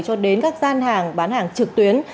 cho đến các gian hàng bán hàng trực tuyến